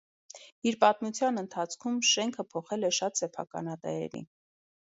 Իր պատմության ընթացքում շենքը փոխել է շատ սեփականատերերի։